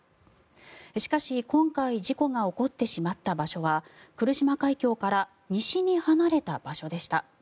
しかし、今回事故が起こってしまった場所は来島海峡から西に離れた場所でした。